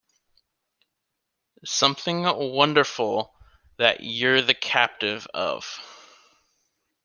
Something wonderful, that you're the captive of.